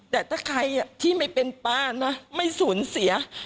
แต่ถ้าใครที่ไม่เป็นป้านะไม่สูญเสีย